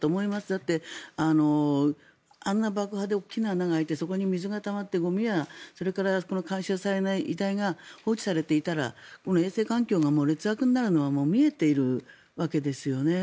だってあんな爆破で大きな穴が開いて水がたまってゴミや回収されない遺体が放置されていたら衛生環境が劣悪になるのは見えているわけですよね。